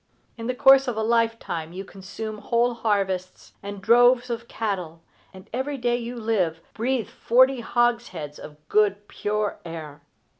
In the course of a lifetime you consume whole harvests, and droves of cattle, and every day you live breathe forty hogsheads of good pure air.